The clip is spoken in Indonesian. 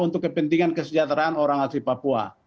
untuk kepentingan kesejahteraan orang asli papua